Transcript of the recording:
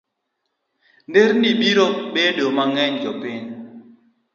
nderni biro bedo mag jopiny.